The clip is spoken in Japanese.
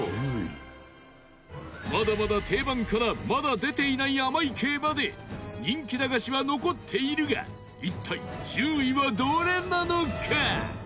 まだまだ、定番からまだ出ていない甘い系まで人気駄菓子は残っているが一体、１０位はどれなのか？